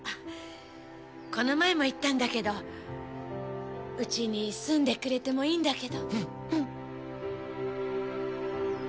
この前も言ったんだけどうちに住んでくれてもいいんだけど？